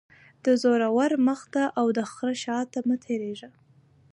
- د زورور مخ ته او دخره شاته مه تیریږه.